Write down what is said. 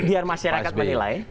biar masyarakat menilai